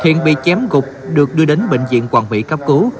thiện bị chém gục được đưa đến bệnh viện quảng mỹ cấp cứu